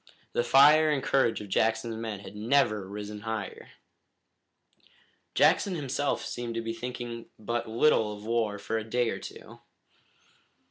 The fire and courage of Jackson's men had never risen higher. Jackson himself seemed to be thinking but little of war for a day or two.